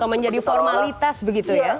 menjadi formalitas begitu ya